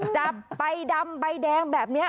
จับใบดำใบแดงแบบนี้